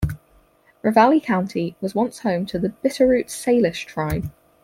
Ravalli County was once home to the Bitterroot Salish tribe.